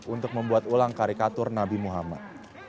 untuk membuat ulang karikatur nabi muhammad